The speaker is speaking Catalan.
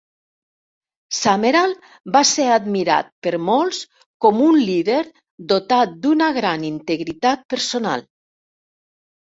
Summerall va ser admirat per molts com un líder dotat d'una gran integritat personal.